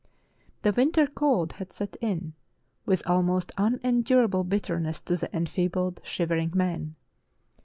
The winter cold had set in, with almost unendurable bitterness to the en feebled, shivering men.